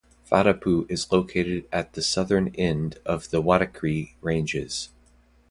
Whatipu is located at the southern end of the Waitakere Ranges.